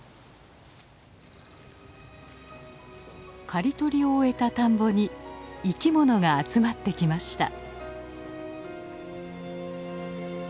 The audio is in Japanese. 刈り取りを終えた田んぼに生きものが集まってきました。